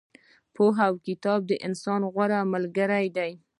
پوهه او کتاب د انسان غوره ملګري دي.